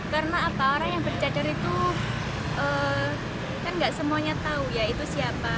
karena apa orang yang bercadar itu kan tidak semuanya tahu ya itu siapa